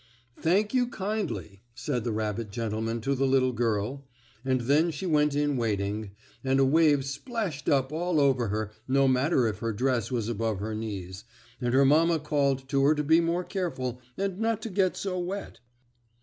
"Thank you kindly," said the rabbit gentleman to the little girl, and then she went in wading, and a wave splashed up all over her, no matter if her dress was above her knees, and her mamma called to her to be more careful, and not to get so wet.